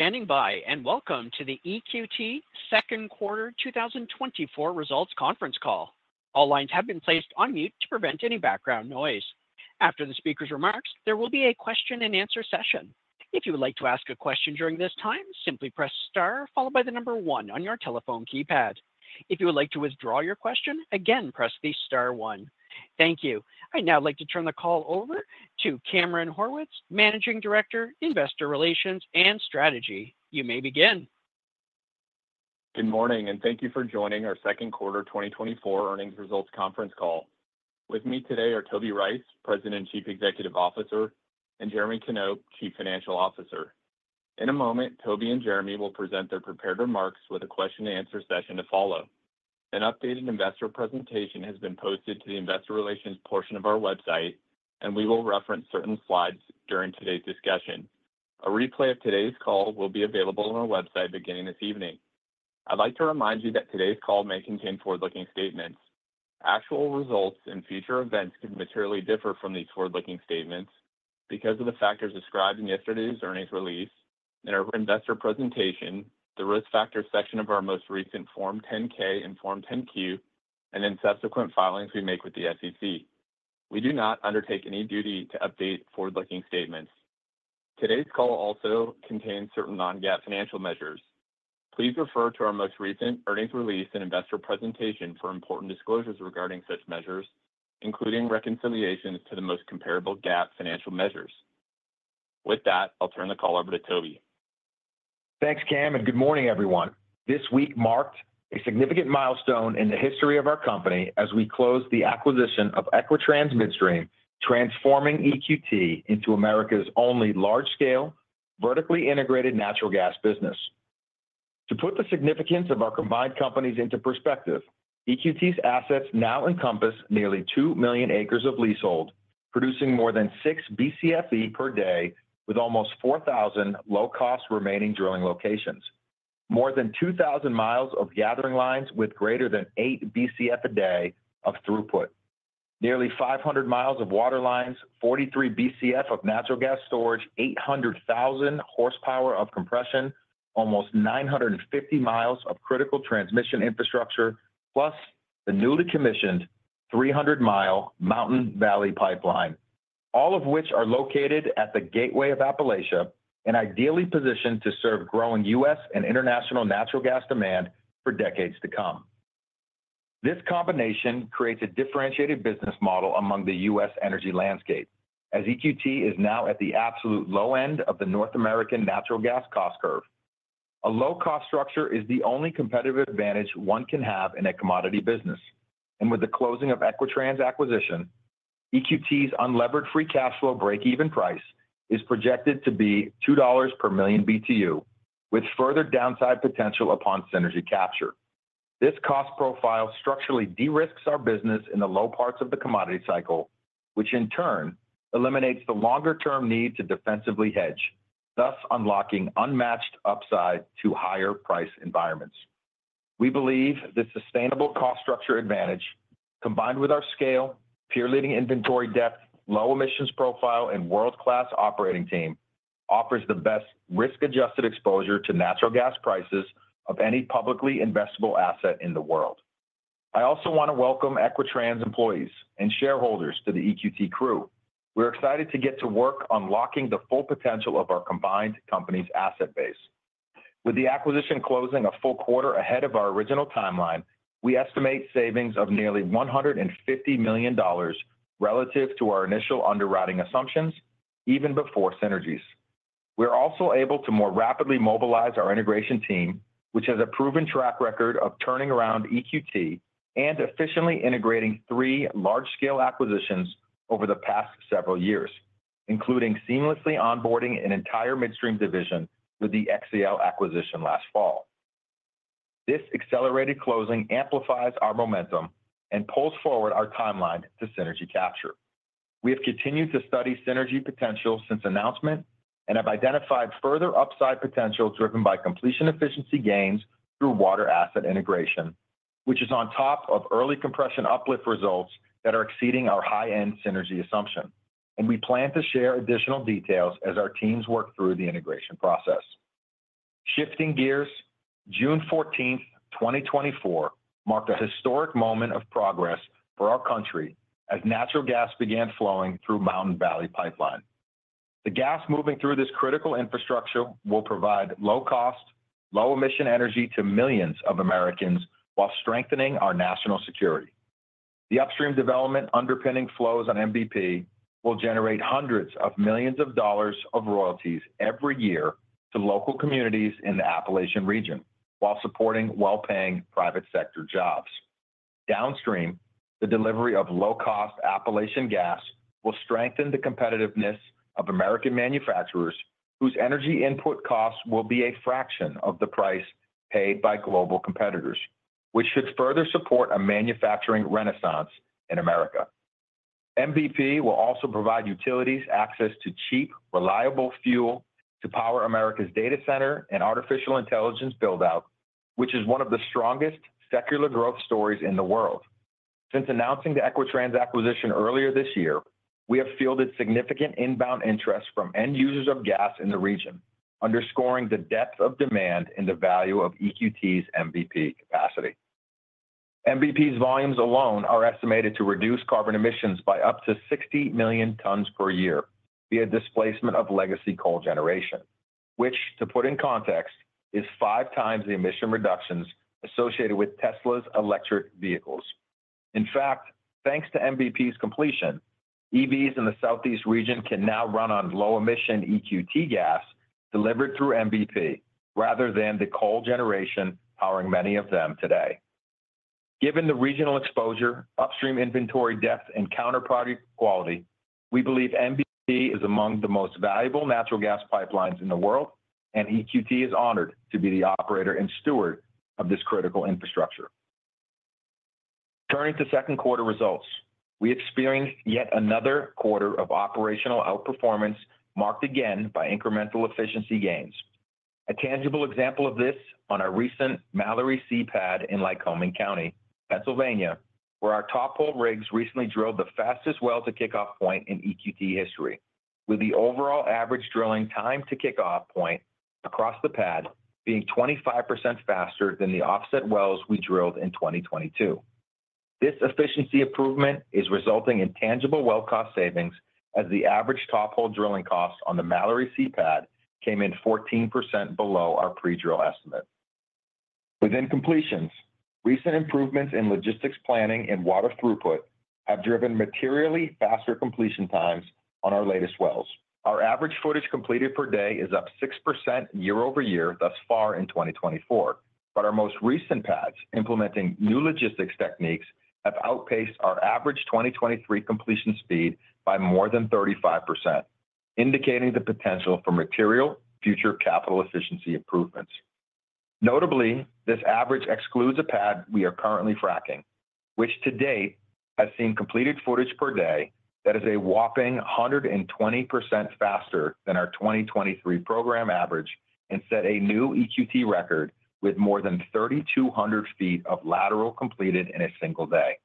Standing by, and welcome to the EQT Second Quarter 2024 Results Conference Call. All lines have been placed on mute to prevent any background noise. After the speaker's remarks, there will be a question-and-answer session. If you would like to ask a question during this time, simply press star followed by the number 1 on your telephone keypad. If you would like to withdraw your question, again, press the star 1. Thank you. I'd now like to turn the call over to Cameron Horwitz, Managing Director, Investor Relations and Strategy. You may begin. Good morning, and thank you for joining our second quarter 2024 earnings results conference call. With me today are Toby Rice, President and Chief Executive Officer, and Jeremy Knop, Chief Financial Officer. In a moment, Toby and Jeremy will present their prepared remarks with a question-and-answer session to follow. An updated investor presentation has been posted to the investor relations portion of our website, and we will reference certain slides during today's discussion. A replay of today's call will be available on our website beginning this evening. I'd like to remind you that today's call may contain forward-looking statements. Actual results in future events could materially differ from these forward-looking statements because of the factors described in yesterday's earnings release, in our investor presentation, the Risk Factors section of our most recent Form 10-K and Form 10-Q, and in subsequent filings we make with the SEC. We do not undertake any duty to update forward-looking statements. Today's call also contains certain non-GAAP financial measures. Please refer to our most recent earnings release and investor presentation for important disclosures regarding such measures, including reconciliations to the most comparable GAAP financial measures. With that, I'll turn the call over to Toby. Thanks, Cam, and good morning, everyone. This week marked a significant milestone in the history of our company as we closed the acquisition of Equitrans Midstream, transforming EQT into America's only large-scale, vertically integrated natural gas business. To put the significance of our combined companies into perspective, EQT's assets now encompass nearly 2 million acres of leasehold, producing more than 6 BCFE per day, with almost 4,000 low-cost remaining drilling locations, more than 2,000 miles of gathering lines with greater than 8 BCF a day of throughput, nearly 500 miles of water lines, 43 BCF of natural gas storage, 800,000 horsepower of compression, almost 950 miles of critical transmission infrastructure, plus the newly commissioned 300-mile Mountain Valley Pipeline, all of which are located at the gateway of Appalachia and ideally positioned to serve growing U.S. and international natural gas demand for decades to come. This combination creates a differentiated business model among the U.S. energy landscape, as EQT is now at the absolute low end of the North American natural gas cost curve. A low-cost structure is the only competitive advantage one can have in a commodity business, and with the closing of Equitrans acquisition, EQT's unlevered free cash flow breakeven price is projected to be $2 per million BTU, with further downside potential upon synergy capture. This cost profile structurally de-risks our business in the low parts of the commodity cycle, which in turn eliminates the longer-term need to defensively hedge, thus unlocking unmatched upside to higher price environments. We believe this sustainable cost structure advantage, combined with our scale, peer-leading inventory depth, low emissions profile, and world-class operating team, offers the best risk-adjusted exposure to natural gas prices of any publicly investable asset in the world. I also want to welcome Equitrans employees and shareholders to the EQT crew. We're excited to get to work unlocking the full potential of our combined company's asset base. With the acquisition closing a full quarter ahead of our original timeline, we estimate savings of nearly $150 million relative to our initial underwriting assumptions, even before synergies. We're also able to more rapidly mobilize our integration team, which has a proven track record of turning around EQT and efficiently integrating three large-scale acquisitions over the past several years, including seamlessly onboarding an entire midstream division with the XCL acquisition last fall. This accelerated closing amplifies our momentum and pulls forward our timeline to synergy capture. We have continued to study synergy potential since announcement and have identified further upside potential driven by completion efficiency gains through water asset integration, which is on top of early compression uplift results that are exceeding our high-end synergy assumption. We plan to share additional details as our teams work through the integration process. Shifting gears, June 14, 2024, marked a historic moment of progress for our country as natural gas began flowing through Mountain Valley Pipeline. The gas moving through this critical infrastructure will provide low-cost, low-emission energy to millions of Americans while strengthening our national security. The upstream development underpinning flows on MVP will generate hundreds of millions of dollars royalties every year to local communities in the Appalachian region while supporting well-paying private sector jobs. Downstream, the delivery of low-cost Appalachian gas will strengthen the competitiveness of American manufacturers, whose energy input costs will be a fraction of the price paid by global competitors, which should further support a manufacturing renaissance in America. MVP will also provide utilities access to cheap, reliable fuel to power America's data center and artificial intelligence build-out, which is one of the strongest secular growth stories in the world.... Since announcing the Equitrans acquisition earlier this year, we have fielded significant inbound interest from end users of gas in the region, underscoring the depth of demand and the value of EQT's MVP capacity. MVP's volumes alone are estimated to reduce carbon emissions by up to 60 million tons per year via displacement of legacy coal generation, which, to put in context, is five times the emission reductions associated with Tesla's electric vehicles. In fact, thanks to MVP's completion, EVs in the Southeast region can now run on low-emission EQT gas delivered through MVP rather than the coal generation powering many of them today. Given the regional exposure, upstream inventory depth, and counterparty quality, we believe MVP is among the most valuable natural gas pipelines in the world, and EQT is honored to be the operator and steward of this critical infrastructure. Turning to second quarter results, we experienced yet another quarter of operational outperformance, marked again by incremental efficiency gains. A tangible example of this on our recent Mallory C pad in Lycoming County, Pennsylvania, where our tophole rigs recently drilled the fastest well-to-kickoff point in EQT history, with the overall average drilling time to kickoff point across the pad being 25% faster than the offset wells we drilled in 2022. This efficiency improvement is resulting in tangible well cost savings, as the average tophole drilling cost on the Mallory C pad came in 14% below our pre-drill estimate. Within completions, recent improvements in logistics planning and water throughput have driven materially faster completion times on our latest wells. Our average footage completed per day is up 6% year-over-year thus far in 2024, but our most recent pads implementing new logistics techniques have outpaced our average 2023 completion speed by more than 35%, indicating the potential for material future capital efficiency improvements. Notably, this average excludes a pad we are currently fracking, which to date has seen completed footage per day that is a whopping 120% faster than our 2023 program average and set a new EQT record with more than 3,200 feet of lateral completed in a single day.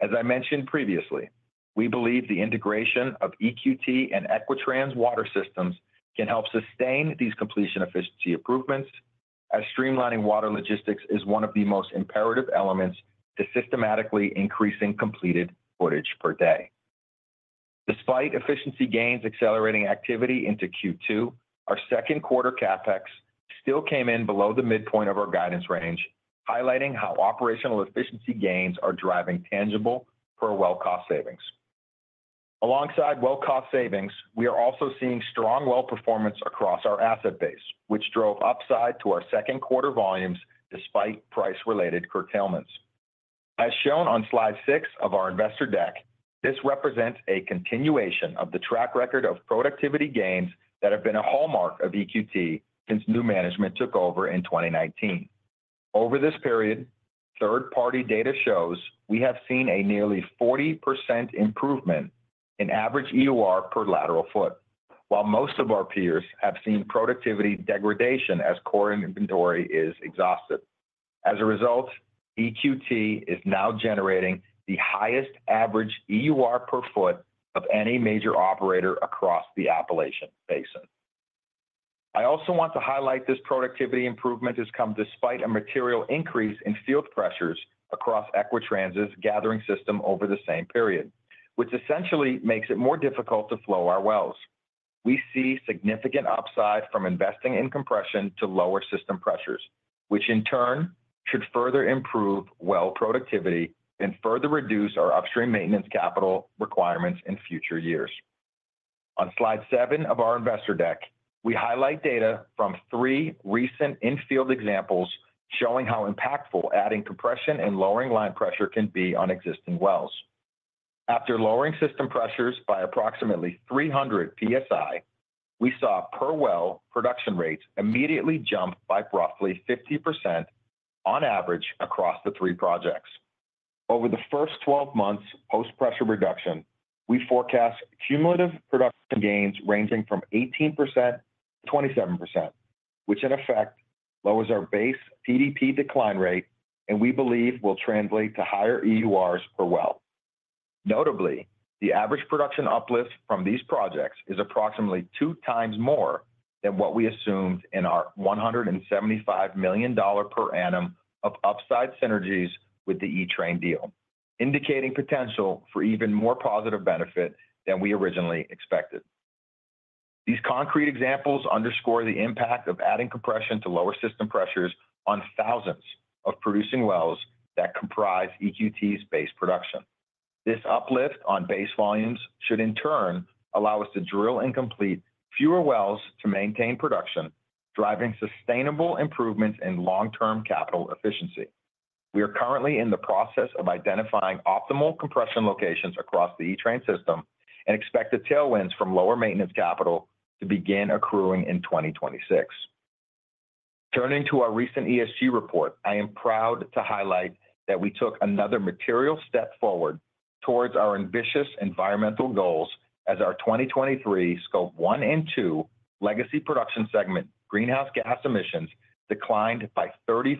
As I mentioned previously, we believe the integration of EQT and Equitrans water systems can help sustain these completion efficiency improvements, as streamlining water logistics is one of the most imperative elements to systematically increasing completed footage per day. Despite efficiency gains accelerating activity into Q2, our second quarter CapEx still came in below the midpoint of our guidance range, highlighting how operational efficiency gains are driving tangible per well cost savings. Alongside well cost savings, we are also seeing strong well performance across our asset base, which drove upside to our second quarter volumes despite price-related curtailments. As shown on slide 6 of our investor deck, this represents a continuation of the track record of productivity gains that have been a hallmark of EQT since new management took over in 2019. Over this period, third-party data shows we have seen a nearly 40% improvement in average EUR per lateral foot, while most of our peers have seen productivity degradation as core inventory is exhausted. As a result, EQT is now generating the highest average EUR per foot of any major operator across the Appalachian Basin. I also want to highlight this productivity improvement has come despite a material increase in field pressures across Equitrans's gathering system over the same period, which essentially makes it more difficult to flow our wells. We see significant upside from investing in compression to lower system pressures, which in turn should further improve well productivity and further reduce our upstream maintenance capital requirements in future years. On slide 7 of our investor deck, we highlight data from 3 recent in-field examples showing how impactful adding compression and lowering line pressure can be on existing wells. After lowering system pressures by approximately 300 PSI, we saw per well production rates immediately jump by roughly 50% on average across the 3 projects. Over the first 12 months post-pressure reduction, we forecast cumulative production gains ranging from 18%-27%, which in effect lowers our base PDP decline rate and we believe will translate to higher EURs per well. Notably, the average production uplift from these projects is approximately 2 times more than what we assumed in our $175 million per annum of upside synergies with the E-Train deal, indicating potential for even more positive benefit than we originally expected. These concrete examples underscore the impact of adding compression to lower system pressures on thousands of producing wells that comprise EQT's base production. This uplift on base volumes should in turn allow us to drill and complete fewer wells to maintain production, driving sustainable improvements in long-term capital efficiency. We are currently in the process of identifying optimal compression locations across the E-Train system and expect the tailwinds from lower maintenance capital to begin accruing in 2026. Turning to our recent ESG report, I am proud to highlight that we took another material step forward towards our ambitious environmental goals as our 2023 Scope 1 and 2 legacy production segment greenhouse gas emissions declined by 35%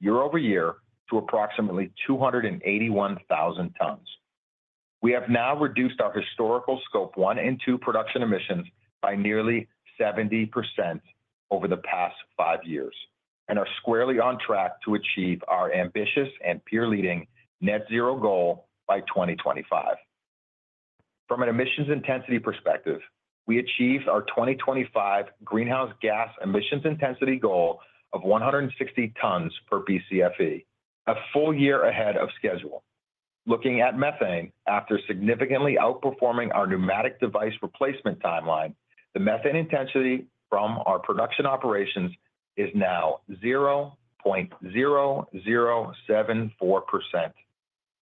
year-over-year to approximately 281,000 tons. We have now reduced our historical Scope 1 and 2 production emissions by nearly 70% over the past five years, and are squarely on track to achieve our ambitious and peer-leading Net Zero goal by 2025. From an emissions intensity perspective, we achieved our 2025 greenhouse gas emissions intensity goal of 160 tons per BCFE, a full year ahead of schedule. Looking at methane, after significantly outperforming our pneumatic device replacement timeline, the methane intensity from our production operations is now 0.0074%,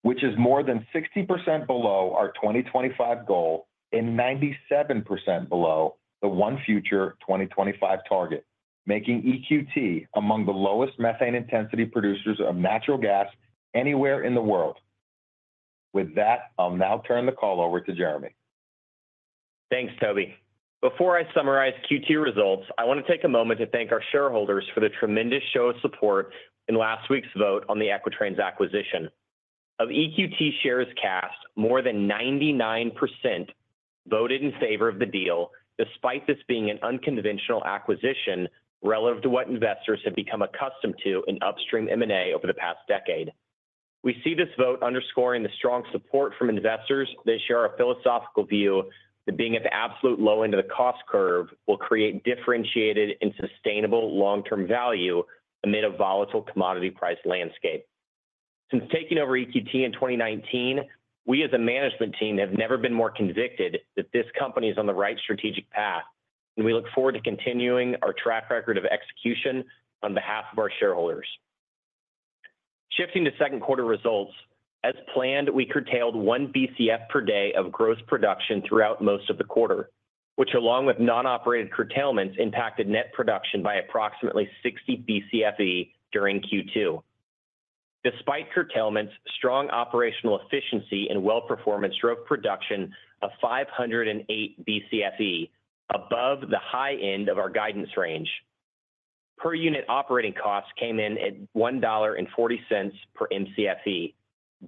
which is more than 60% below our 2025 goal and 97% below the ONE Future 2025 target, making EQT among the lowest methane intensity producers of natural gas anywhere in the world. With that, I'll now turn the call over to Jeremy. Thanks, Toby. Before I summarize Q2 results, I want to take a moment to thank our shareholders for the tremendous show of support in last week's vote on the Equitrans acquisition. Of EQT shares cast, more than 99% voted in favor of the deal, despite this being an unconventional acquisition relative to what investors have become accustomed to in upstream M&A over the past decade. We see this vote underscoring the strong support from investors. They share our philosophical view that being at the absolute low end of the cost curve will create differentiated and sustainable long-term value amid a volatile commodity price landscape. Since taking over EQT in 2019, we as a management team have never been more convicted that this company is on the right strategic path, and we look forward to continuing our track record of execution on behalf of our shareholders. Shifting to second quarter results, as planned, we curtailed 1 Bcf per day of gross production throughout most of the quarter, which, along with non-operated curtailments, impacted net production by approximately 60 Bcfe during Q2. Despite curtailments, strong operational efficiency and well performance drove production of 508 Bcfe, above the high end of our guidance range. Per unit operating costs came in at $1.40 per Mcfe,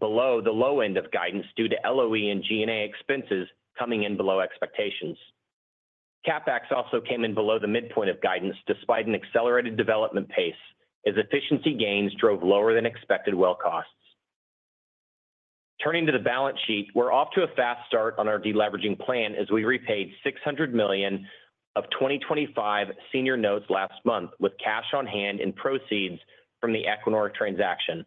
below the low end of guidance due to LOE and G&A expenses coming in below expectations. CapEx also came in below the midpoint of guidance, despite an accelerated development pace, as efficiency gains drove lower than expected well costs. Turning to the balance sheet, we're off to a fast start on our deleveraging plan as we repaid $600 million of 2025 senior notes last month with cash on hand and proceeds from the Equinor transaction.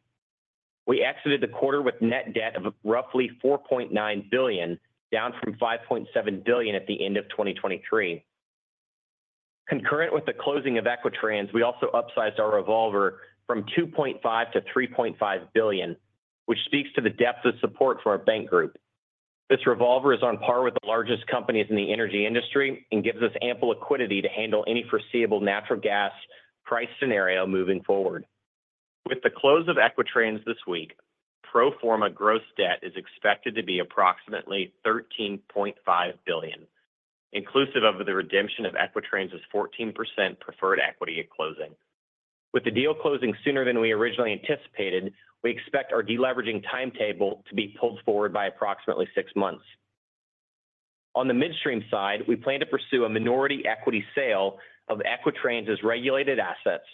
We exited the quarter with net debt of roughly $4.9 billion, down from $5.7 billion at the end of 2023. Concurrent with the closing of Equitrans, we also upsized our revolver from $2.5-$3.5 billion, which speaks to the depth of support for our bank group. This revolver is on par with the largest companies in the energy industry and gives us ample liquidity to handle any foreseeable natural gas price scenario moving forward. With the close of Equitrans this week, pro forma gross debt is expected to be approximately $13.5 billion, inclusive of the redemption of Equitrans' 14% preferred equity at closing. With the deal closing sooner than we originally anticipated, we expect our deleveraging timetable to be pulled forward by approximately 6 months. On the midstream side, we plan to pursue a minority equity sale of Equitrans' regulated assets,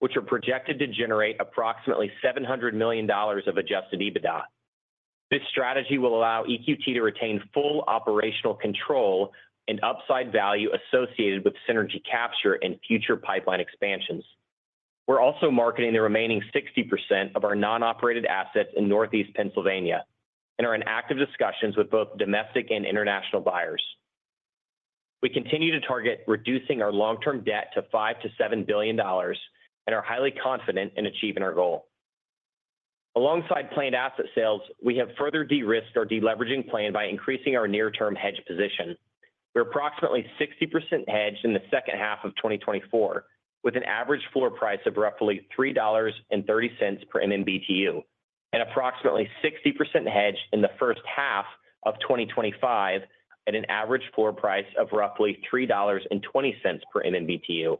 which are projected to generate approximately $700 million of adjusted EBITDA. This strategy will allow EQT to retain full operational control and upside value associated with synergy capture and future pipeline expansions. We're also marketing the remaining 60% of our non-operated assets in Northeast Pennsylvania and are in active discussions with both domestic and international buyers. We continue to target reducing our long-term debt to $5 billion-$7 billion and are highly confident in achieving our goal. Alongside planned asset sales, we have further de-risked our deleveraging plan by increasing our near-term hedge position. We're approximately 60% hedged in the second half of 2024, with an average floor price of roughly $3.30 per MMBtu, and approximately 60% hedged in the first half of 2025 at an average floor price of roughly $3.20 per MMBtu.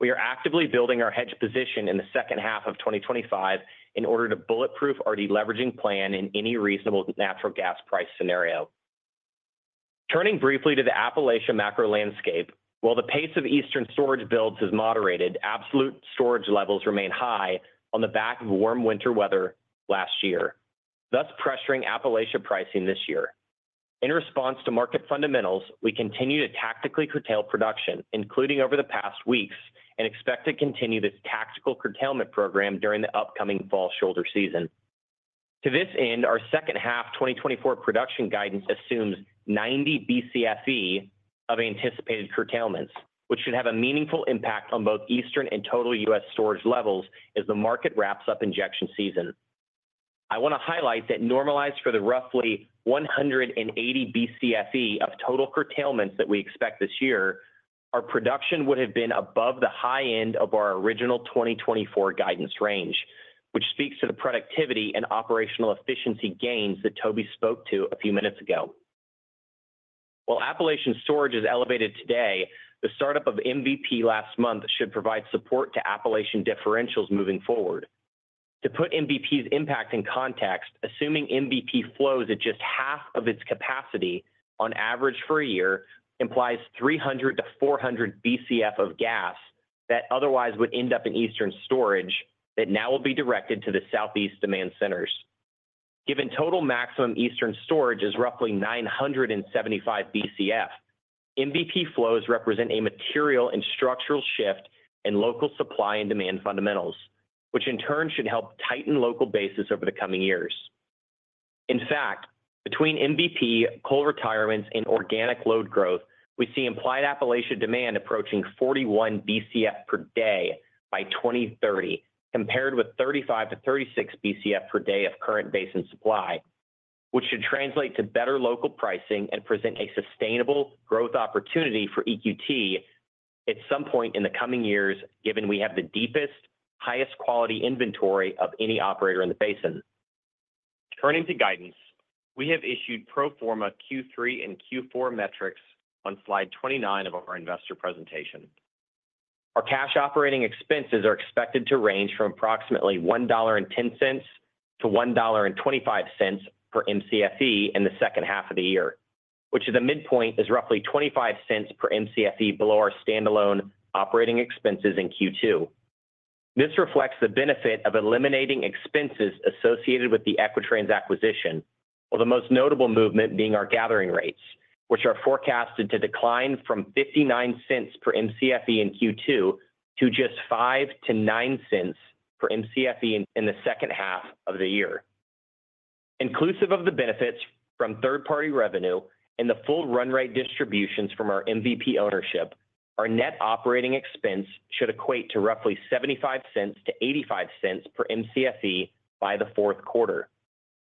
We are actively building our hedge position in the second half of 2025 in order to bulletproof our deleveraging plan in any reasonable natural gas price scenario. Turning briefly to the Appalachian macro landscape, while the pace of Eastern storage builds has moderated, absolute storage levels remain high on the back of warm winter weather last year, thus pressuring Appalachia pricing this year. In response to market fundamentals, we continue to tactically curtail production, including over the past weeks, and expect to continue this tactical curtailment program during the upcoming fall shoulder season. To this end, our second half 2024 production guidance assumes 90 BCFE of anticipated curtailments, which should have a meaningful impact on both Eastern and total U.S. storage levels as the market wraps up injection season. I want to highlight that normalized for the roughly 180 BCFE of total curtailments that we expect this year. Our production would have been above the high end of our original 2024 guidance range, which speaks to the productivity and operational efficiency gains that Toby spoke to a few minutes ago. While Appalachian storage is elevated today, the startup of MVP last month should provide support to Appalachian differentials moving forward. To put MVP's impact in context, assuming MVP flows at just half of its capacity on average for a year, implies 300-400 BCF of gas that otherwise would end up in Eastern storage, that now will be directed to the Southeast demand centers. Given total maximum Eastern storage is roughly 975 BCF, MVP flows represent a material and structural shift in local supply and demand fundamentals, which in turn should help tighten local bases over the coming years. In fact, between MVP, coal retirements, and organic load growth, we see implied Appalachian demand approaching 41 BCF per day by 2030, compared with 35-36 BCF per day of current basin supply, which should translate to better local pricing and present a sustainable growth opportunity for EQT at some point in the coming years, given we have the deepest, highest quality inventory of any operator in the basin. Turning to guidance, we have issued pro forma Q3 and Q4 metrics on slide 29 of our investor presentation. Our cash operating expenses are expected to range from approximately $1.10-$1.25 per MCFE in the second half of the year, which is a midpoint, is roughly $0.25 per MCFE below our standalone operating expenses in Q2. This reflects the benefit of eliminating expenses associated with the Equitrans acquisition, with the most notable movement being our gathering rates, which are forecasted to decline from $0.59 per MCFE in Q2 to just $0.05-$0.09 per MCFE in the second half of the year. Inclusive of the benefits from third-party revenue and the full run rate distributions from our MVP ownership, our net operating expense should equate to roughly $0.75-$0.85 per MCFE by the fourth quarter,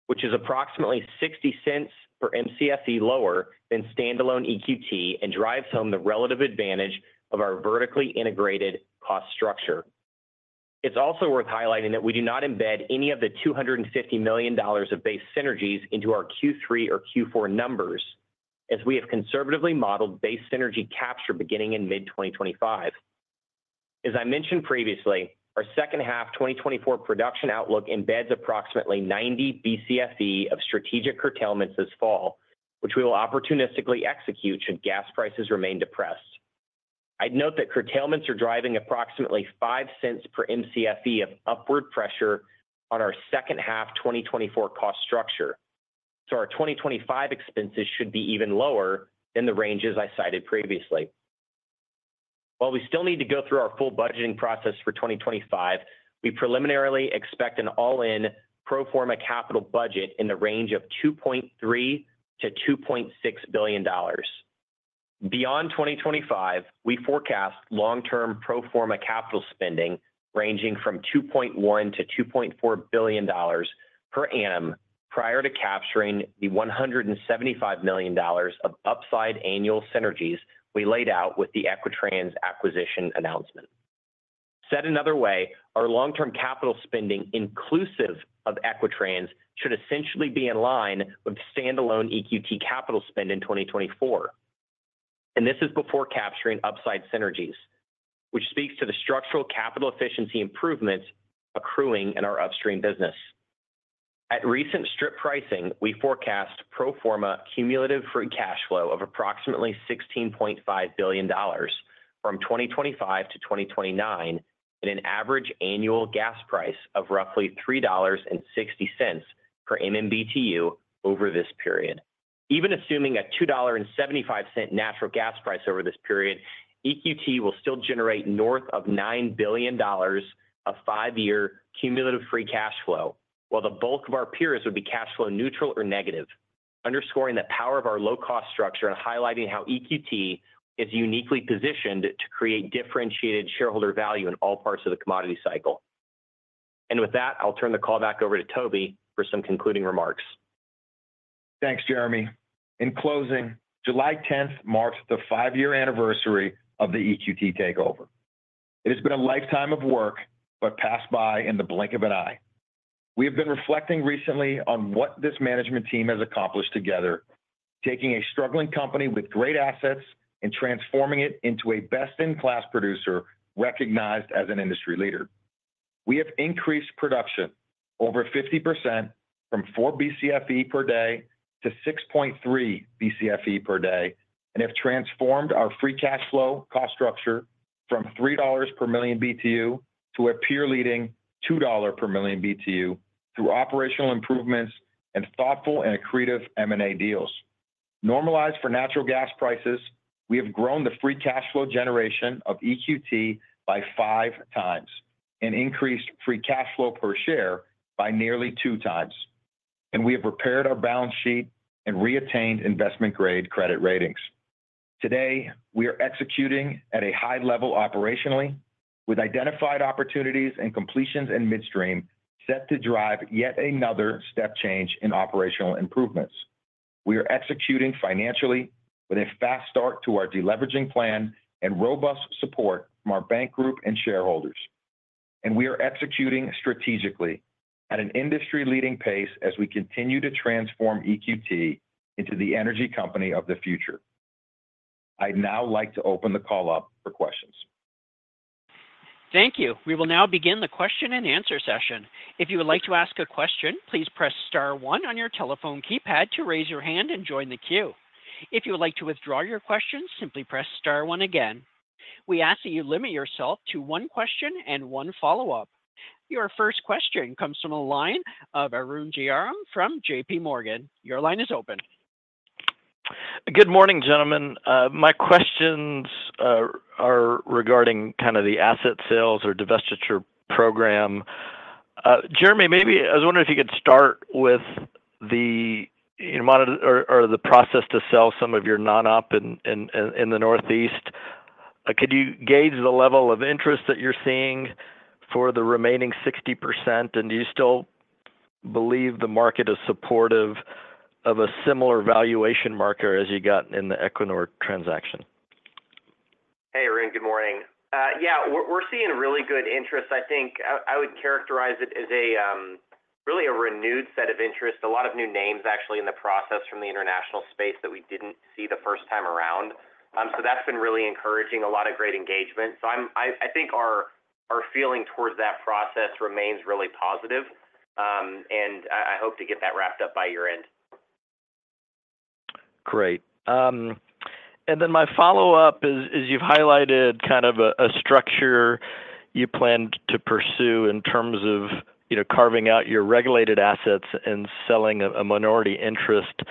which is approximately $0.60 per MCFE lower than standalone EQT, and drives home the relative advantage of our vertically integrated cost structure. It's also worth highlighting that we do not embed any of the $250 million of base synergies into our Q3 or Q4 numbers, as we have conservatively modeled base synergy capture beginning in mid-2025. As I mentioned previously, our second half 2024 production outlook embeds approximately 90 BCFE of strategic curtailments this fall, which we will opportunistically execute should gas prices remain depressed. I'd note that curtailments are driving approximately $0.05 per MCFE of upward pressure on our second half 2024 cost structure. So our 2025 expenses should be even lower than the ranges I cited previously. While we still need to go through our full budgeting process for 2025, we preliminarily expect an all-in pro forma capital budget in the range of $2.3 billion-$2.6 billion. Beyond 2025, we forecast long-term pro forma capital spending ranging from $2.1-$2.4 billion per annum, prior to capturing the $175 million of upside annual synergies we laid out with the Equitrans acquisition announcement. Said another way, our long-term capital spending, inclusive of Equitrans, should essentially be in line with standalone EQT capital spend in 2024. And this is before capturing upside synergies, which speaks to the structural capital efficiency improvements accruing in our upstream business. At recent strip pricing, we forecast pro forma cumulative free cash flow of approximately $16.5 billion from 2025 to 2029, at an average annual gas price of roughly $3.60 per MMBtu over this period. Even assuming a $2.75 natural gas price over this period, EQT will still generate north of $9 billion of five-year cumulative free cash flow, while the bulk of our peers would be cash flow neutral or negative, underscoring the power of our low-cost structure and highlighting how EQT is uniquely positioned to create differentiated shareholder value in all parts of the commodity cycle. And with that, I'll turn the call back over to Toby for some concluding remarks. Thanks, Jeremy. In closing, July tenth marks the 5-year anniversary of the EQT takeover. It has been a lifetime of work, but passed by in the blink of an eye. We have been reflecting recently on what this management team has accomplished together, taking a struggling company with great assets and transforming it into a best-in-class producer, recognized as an industry leader. We have increased production over 50% from 4 BCFE per day to 6.3 BCFE per day, and have transformed our free cash flow cost structure from $3 per million BTU to a peer-leading $2 per million BTU through operational improvements and thoughtful and accretive M&A deals. Normalized for natural gas prices, we have grown the free cash flow generation of EQT by 5 times and increased free cash flow per share by nearly 2 times, and we have repaired our balance sheet and reattained investment-grade credit ratings. Today, we are executing at a high level operationally. ...with identified opportunities and completions in midstream, set to drive yet another step change in operational improvements. We are executing financially with a fast start to our deleveraging plan and robust support from our bank group and shareholders. We are executing strategically at an industry-leading pace as we continue to transform EQT into the energy company of the future. I'd now like to open the call up for questions. Thank you. We will now begin the question-and-answer session. If you would like to ask a question, please press star one on your telephone keypad to raise your hand and join the queue. If you would like to withdraw your question, simply press star one again. We ask that you limit yourself to one question and one follow-up. Your first question comes from the line of Arun Jayaram from J.P. Morgan. Your line is open. Good morning, gentlemen. My questions are regarding kind of the asset sales or divestiture program. Jeremy, maybe I was wondering if you could start with the amount of or, or the process to sell some of your non-op in the Northeast. Could you gauge the level of interest that you're seeing for the remaining 60%? And do you still believe the market is supportive of a similar valuation marker as you got in the Equinor transaction? Hey, Arun, good morning. Yeah, we're seeing really good interest. I think I would characterize it as really a renewed set of interest. A lot of new names, actually, in the process from the international space that we didn't see the first time around. So that's been really encouraging, a lot of great engagement. So I think our feeling towards that process remains really positive. And I hope to get that wrapped up by year-end. Great. And then my follow-up is, you've highlighted kind of a structure you plan to pursue in terms of, you know, carving out your regulated assets and selling a minority interest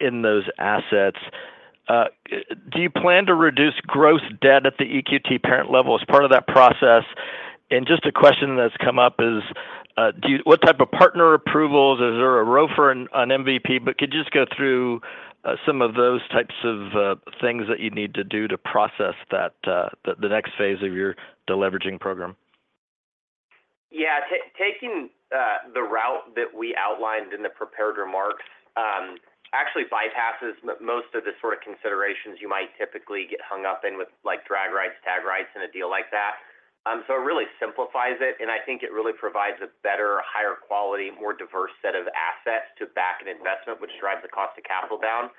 in those assets. Do you plan to reduce gross debt at the EQT parent level as part of that process? And just a question that's come up is, what type of partner approvals? Is there a ROFR on MVP? But could you just go through some of those types of things that you need to do to process that, the next phase of your deleveraging program? Yeah. Taking the route that we outlined in the prepared remarks, actually bypasses most of the sort of considerations you might typically get hung up in with, like, drag rights, tag rights in a deal like that. So it really simplifies it, and I think it really provides a better, higher quality, more diverse set of assets to back an investment, which drives the cost of capital down.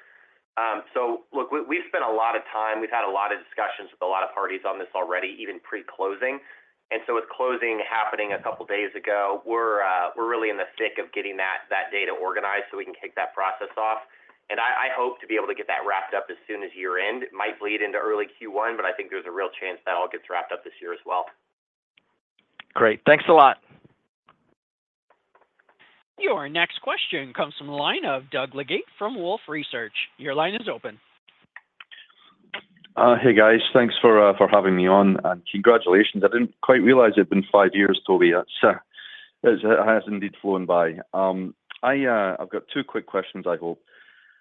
So look, we, we've spent a lot of time, we've had a lot of discussions with a lot of parties on this already, even pre-closing. And so with closing happening a couple of days ago, we're really in the thick of getting that data organized, so we can kick that process off. And I hope to be able to get that wrapped up as soon as year-end. It might bleed into early Q1, but I think there's a real chance that all gets wrapped up this year as well. Great. Thanks a lot. Your next question comes from the line of Doug Leggate from Wolfe Research. Your line is open. Hey, guys. Thanks for having me on and congratulations. I didn't quite realize it had been five years, Toby. So it has indeed flown by. I've got two quick questions, I hope.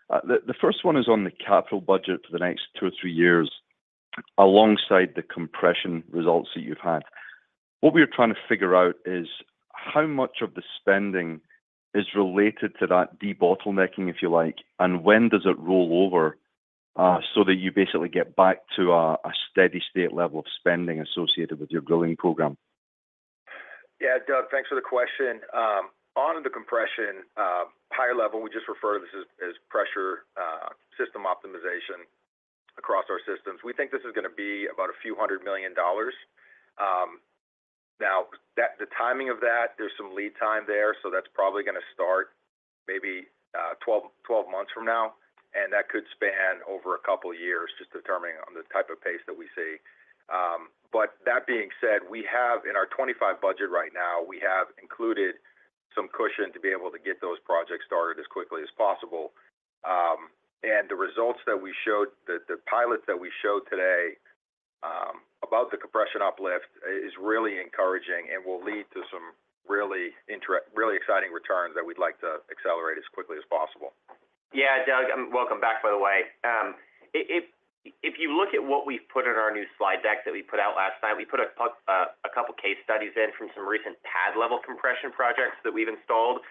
The first one is on the capital budget for the next two or three years, alongside the compression results that you've had. What we're trying to figure out is, how much of the spending is related to that debottlenecking, if you like, and when does it roll over, so that you basically get back to a steady state level of spending associated with your growing program? Yeah, Doug, thanks for the question. On the compression, high level, we just refer to this as pressure system optimization across our systems. We think this is gonna be about a few $100 million. Now, that—the timing of that, there's some lead time there, so that's probably gonna start maybe 12 months from now, and that could span over a couple of years, just determining on the type of pace that we see. But that being said, we have in our 2025 budget right now, we have included some cushion to be able to get those projects started as quickly as possible. The results that we showed, the pilot that we showed today about the compression uplift, is really encouraging and will lead to some really exciting returns that we'd like to accelerate as quickly as possible. Yeah, Doug, welcome back, by the way. If you look at what we've put in our new slide deck that we put out last night, we put a couple of case studies in from some recent pad level compression projects that we've installed.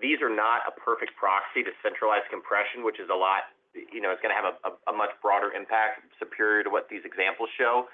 These are not a perfect proxy to centralized compression, which is a lot—you know, it's gonna have a much broader impact, superior to what these examples show.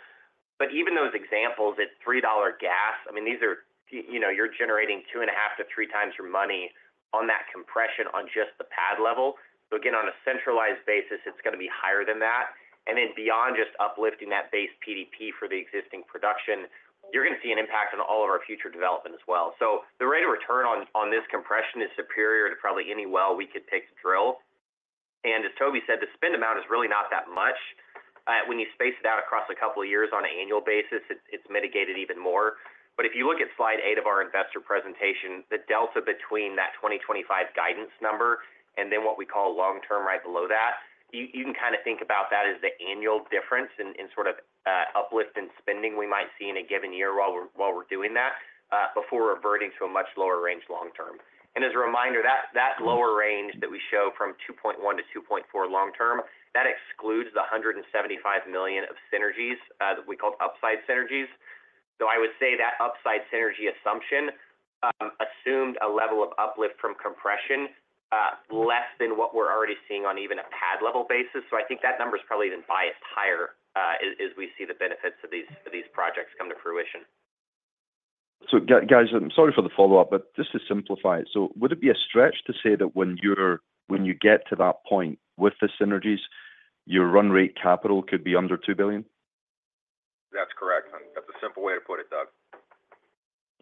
But even those examples, at $3 gas, I mean, these are, you know, you're generating 2.5-3 times your money on that compression on just the pad level. So again, on a centralized basis, it's gonna be higher than that. And then beyond just uplifting that base PDP for the existing production, you're gonna see an impact on all of our future development as well. So the rate of return on, on this compression is superior to probably any well we could pick to drill. And as Toby said, the spend amount is really not that much. When you space it out across a couple of years on an annual basis, it's, it's mitigated even more. But if you look at slide 8 of our investor presentation, the delta between that 2025 guidance number and then what we call long-term right below that, you, you can kind of think about that as the annual difference in, in sort of, uplift in spending we might see in a given year while we're, while we're doing that, before reverting to a much lower range long term. And as a reminder, that lower range that we show from 2.1-2.4 long term, that excludes the $175 million of synergies that we call upside synergies. So I would say that upside synergy assumption assumed a level of uplift from compression less than what we're already seeing on even a pad level basis. So I think that number is probably even biased higher as we see the benefits of these projects come to fruition. So, guys, I'm sorry for the follow-up, but just to simplify it. Would it be a stretch to say that when you get to that point with the synergies, your run rate capital could be under $2 billion? That's correct, and that's a simple way to put it, Doug.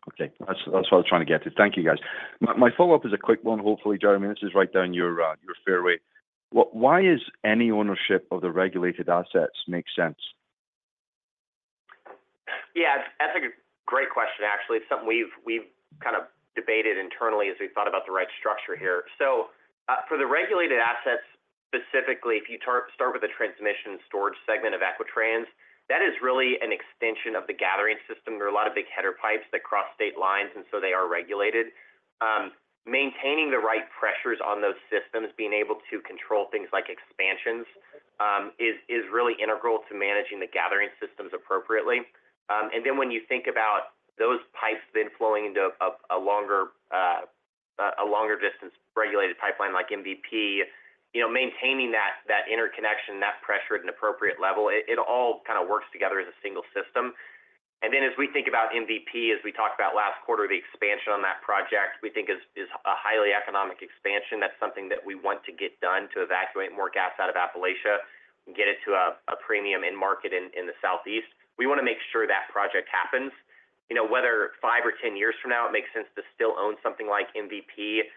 Okay. That's, that's what I was trying to get to. Thank you, guys. My, my follow-up is a quick one. Hopefully, Jeremy, this is right down your, your fairway. Why is any ownership of the regulated assets make sense? Yeah, that's a great question, actually. It's something we've kind of debated internally as we thought about the right structure here. So, for the regulated assets, specifically, if you start with the transmission storage segment of Equitrans, that is really an extension of the gathering system. There are a lot of big header pipes that cross state lines, and so they are regulated. Maintaining the right pressures on those systems, being able to control things like expansions, is really integral to managing the gathering systems appropriately. And then when you think about those pipes then flowing into a longer distance regulated pipeline like MVP, you know, maintaining that interconnection, that pressure at an appropriate level, it all kind of works together as a single system. Then as we think about MVP, as we talked about last quarter, the expansion on that project we think is a highly economic expansion. That's something that we want to get done to evacuate more gas out of Appalachia and get it to a premium end market in the Southeast. We want to make sure that project happens. You know, whether 5 or 10 years from now, it makes sense to still own something like MVP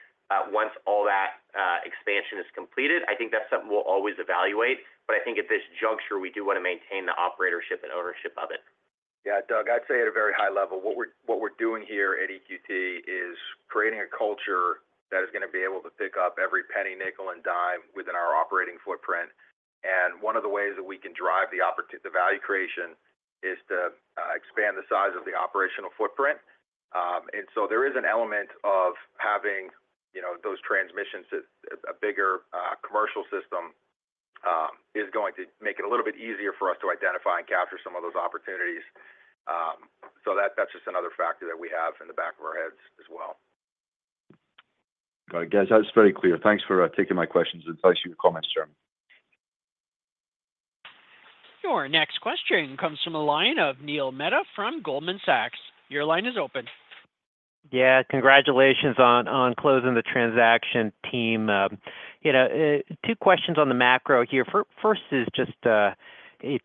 once all that expansion is completed. I think that's something we'll always evaluate, but I think at this juncture, we do want to maintain the operatorship and ownership of it. Yeah, Doug, I'd say at a very high level, what we're doing here at EQT is creating a culture that is gonna be able to pick up every penny, nickel, and dime within our operating footprint. One of the ways that we can drive the opport- the value creation is to expand the size of the operational footprint. And so there is an element of having, you know, those transmissions as a bigger commercial system is going to make it a little bit easier for us to identify and capture some of those opportunities. So that's just another factor that we have in the back of our heads as well. Got it, guys. That's very clear. Thanks for taking my questions and thanks for your comments, Jeremy. Your next question comes from the line of Neil Mehta from Goldman Sachs. Your line is open. Yeah, congratulations on, on closing the transaction team. You know, two questions on the macro here. First is just,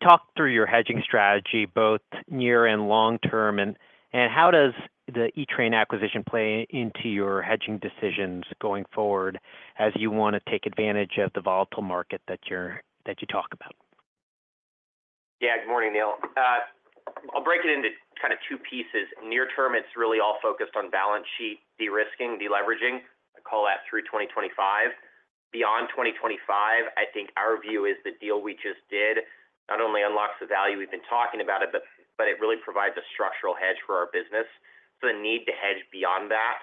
talk through your hedging strategy, both near and long term, and, and how does the Equitrans acquisition play into your hedging decisions going forward as you want to take advantage of the volatile market that you talk about? Yeah, good morning, Neil. I'll break it into kind of two pieces. Near term, it's really all focused on balance sheet, de-risking, de-leveraging. I call that through 2025. Beyond 2025, I think our view is the deal we just did not only unlocks the value we've been talking about it, but it really provides a structural hedge for our business. So the need to hedge beyond that,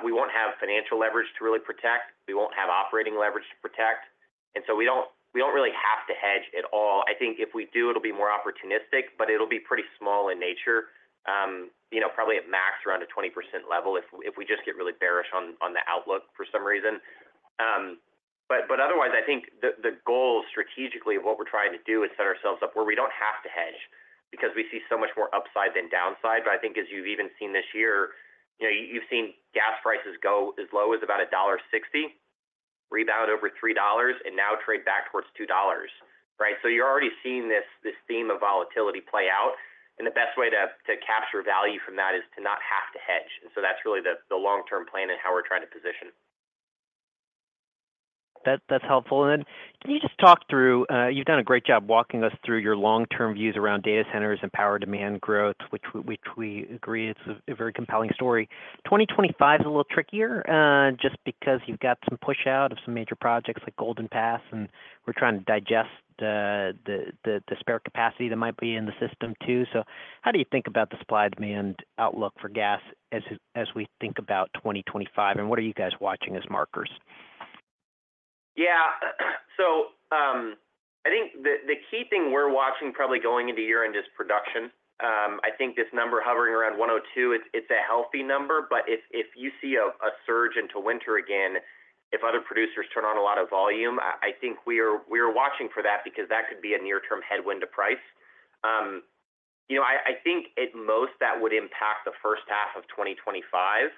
we won't have financial leverage to really protect. We won't have operating leverage to protect, and so we don't really have to hedge at all. I think if we do, it'll be more opportunistic, but it'll be pretty small in nature, you know, probably at max, around a 20% level, if we just get really bearish on the outlook for some reason. But otherwise, I think the goal strategically of what we're trying to do is set ourselves up where we don't have to hedge because we see so much more upside than downside. But I think as you've even seen this year, you know, you've seen gas prices go as low as about $1.60, rebound over $3, and now trade back towards $2, right? So you're already seeing this theme of volatility play out, and the best way to capture value from that is to not have to hedge. And so that's really the long-term plan and how we're trying to position. That, that's helpful. And then can you just talk through. You've done a great job walking us through your long-term views around data centers and power demand growth, which we agree, it's a very compelling story. 2025 is a little trickier, just because you've got some push out of some major projects like Golden Pass, and we're trying to digest the spare capacity that might be in the system, too. So how do you think about the supply/demand outlook for gas as we think about 2025, and what are you guys watching as markers? Yeah, so, I think the key thing we're watching, probably going into year-end, is production. I think this number hovering around 102, it's a healthy number, but if you see a surge into winter again, if other producers turn on a lot of volume, I think we are watching for that because that could be a near-term headwind to price. You know, I think at most, that would impact the first half of 2025.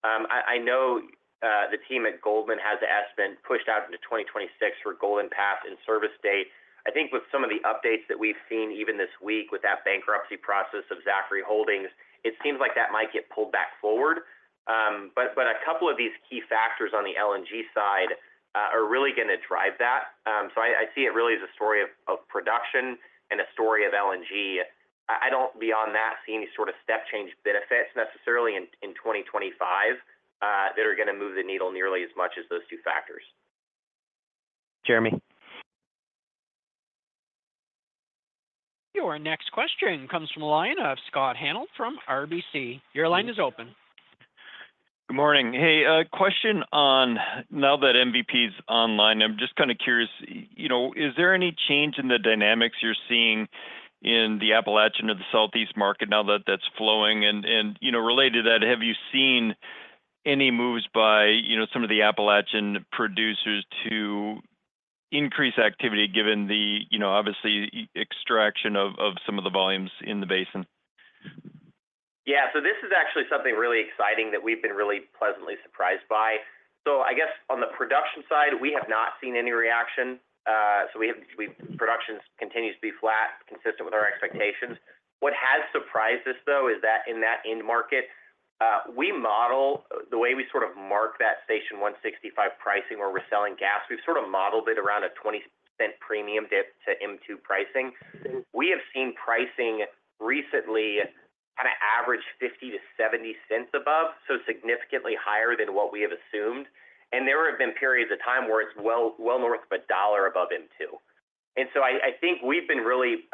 I know the team at Goldman has the Aspen pushed out into 2026 for Golden Pass and service date. I think with some of the updates that we've seen even this week with that bankruptcy process of Zachry Holdings, it seems like that might get pulled back forward. But a couple of these key factors on the LNG side are really gonna drive that. So I see it really as a story of production and a story of LNG. I don't, beyond that, see any sort of step change benefits necessarily in 2025 that are gonna move the needle nearly as much as those two factors. Jeremy. Your next question comes from the line of Scott Hanold from RBC. Your line is open. Good morning. Hey, a question on now that MVP's online, I'm just kind of curious, you know, is there any change in the dynamics you're seeing in the Appalachian or the Southeast market now that that's flowing? And, you know, related to that, have you seen any moves by, you know, some of the Appalachian producers to increase activity given the, you know, obviously, extraction of some of the volumes in the basin? Yeah. So this is actually something really exciting that we've been really pleasantly surprised by. So I guess on the production side, we have not seen any reaction. Production continues to be flat, consistent with our expectations. What has surprised us, though, is that in that end market, we model. The way we sort of mark that Station 165 pricing where we're selling gas, we've sort of modeled it around a 20-cent premium to M2 pricing. We have seen pricing recently on average $0.50-$0.70 above, so significantly higher than what we have assumed. And there have been periods of time where it's well, well north of $1 above M2. And so I think we've been really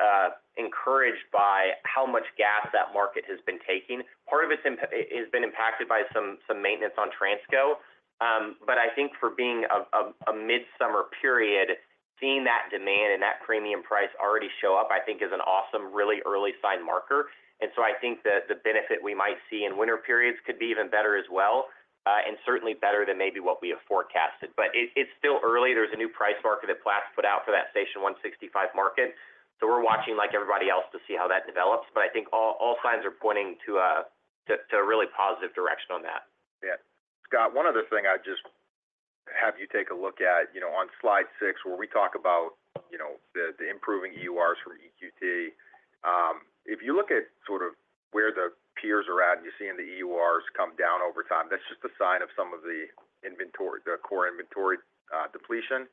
encouraged by how much gas that market has been taking. Part of its impact—it has been impacted by some maintenance on Transco. But I think for being a midsummer period, seeing that demand and that premium price already show up, I think is an awesome, really early sign marker. And so I think that the benefit we might see in winter periods could be even better as well, and certainly better than maybe what we have forecasted. But it's still early. There's a new price market that Platts put out for that Station 165 market, so we're watching, like everybody else, to see how that develops. But I think all signs are pointing to a really positive direction on that. Yeah. Scott, one other thing I'd just have you take a look at, you know, on slide 6, where we talk about, you know, the improving EURs for EQT. If you look at sort of where the peers are at, and you're seeing the EURs come down over time, that's just a sign of some of the inventory, the core inventory, depletion.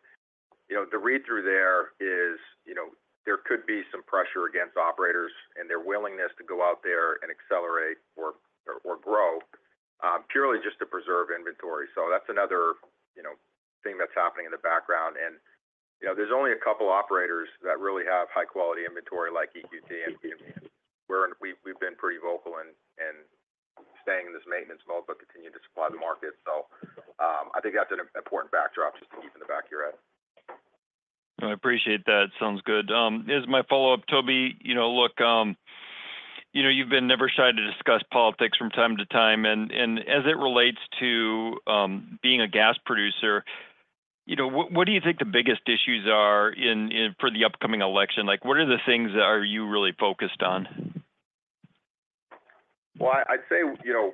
You know, the read-through there is, you know, there could be some pressure against operators and their willingness to go out there and accelerate or, or, or grow purely just to preserve inventory. So that's another, you know, thing that's happening in the background. And, you know, there's only a couple operators that really have high-quality inventory like EQT, and we're—we've, we've been pretty vocal in, in staying in this maintenance mode, but continuing to supply the market. I think that's an important backdrop just to keep in the back of your head. I appreciate that. Sounds good. As my follow-up, Toby, you know, look, you know, you've been never shy to discuss politics from time to time, and as it relates to being a gas producer, you know, what do you think the biggest issues are in for the upcoming election? Like, what are the things that are you really focused on? Well, I'd say, you know,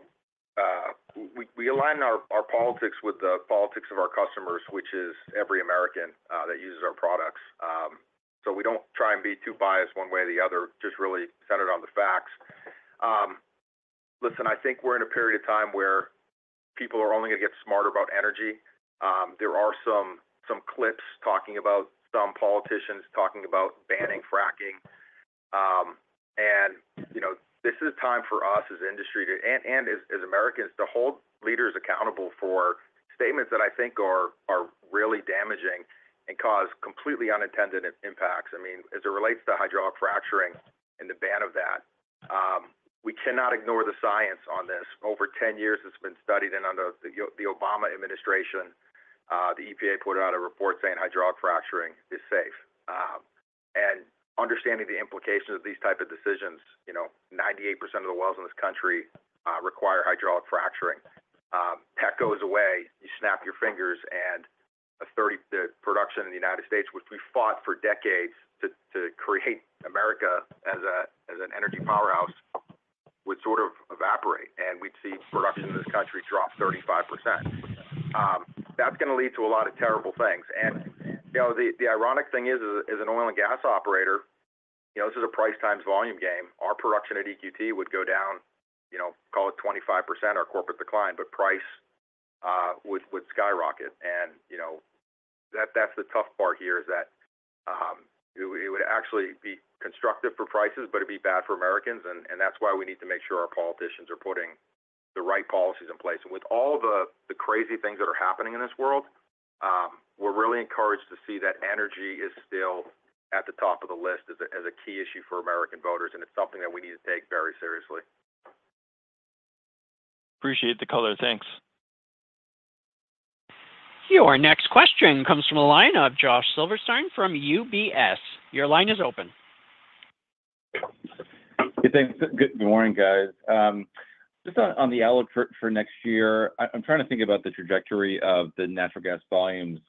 we align our politics with the politics of our customers, which is every American that uses our products. So we don't try and be too biased one way or the other, just really centered on the facts. Listen, I think we're in a period of time where people are only gonna get smarter about energy. There are some clips talking about some politicians talking about banning fracking. And, you know, this is a time for us as an industry to and as Americans, to hold leaders accountable for statements that I think are really damaging and cause completely unintended impacts. I mean, as it relates to hydraulic fracturing and the ban of that, we cannot ignore the science on this. Over 10 years, it's been studied, and under the Obama administration, the EPA put out a report saying hydraulic fracturing is safe. And understanding the implications of these type of decisions, you know, 98% of the wells in this country require hydraulic fracturing. That goes away, you snap your fingers, and the production in the United States, which we fought for decades to create America as an energy powerhouse, would sort of evaporate, and we'd see production in this country drop 35%. That's gonna lead to a lot of terrible things. And, you know, the ironic thing is, as an oil and gas operator, you know, this is a price times volume game. Our production at EQT would go down, you know, call it 25%, our corporate decline, but price would skyrocket. And, you know, that, that's the tough part here, is that, it would actually be constructive for prices, but it'd be bad for Americans, and, and that's why we need to make sure our politicians are putting the right policies in place. And with all the crazy things that are happening in this world, we're really encouraged to see that energy is still at the top of the list as a key issue for American voters, and it's something that we need to take very seriously. Appreciate the color. Thanks. Your next question comes from the line of Josh Silverstein from UBS. Your line is open. Hey, thanks. Good morning, guys. Just on the outlook for next year, I'm trying to think about the trajectory of the natural gas volumes.